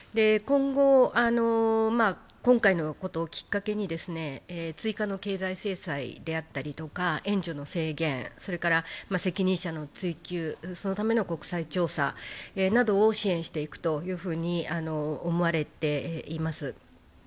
今後、今回のことをきっかけに追加の経済制裁であったりとか、援助の制限、それから責任者の追及そのための交際調査などを支援していくというふうに思われています。